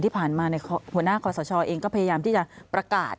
ที่ผ่านมาผัวหน้าขวาสชเองก็พยายามที่จะประกาศ